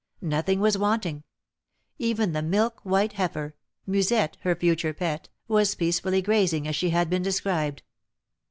Nothing was wanting, even the milk white heifer, Musette, her future pet, was peacefully grazing as she had been described.